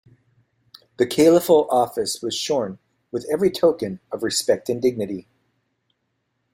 The caliphal office was shorn of every token of respect and dignity.